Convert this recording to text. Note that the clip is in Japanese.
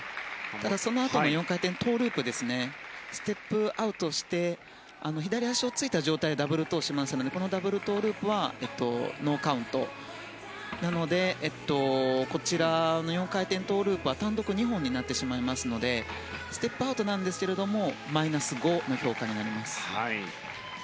ただそのあとの４回転トウループステップアウトして左足をついた状態でダブルトウをしましたのでこのダブルトウループはノーカウントなのでこちらの４回転トウループは単独２本になってしまいますのでステップアウトなのでマイナス５の評価になります。